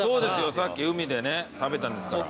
さっき海でね食べたんですから。